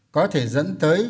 có thể dẫn tới